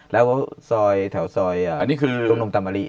แล้วซอยแถวซอยตรงนมตำริ